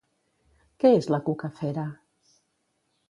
Què és la cuca fera?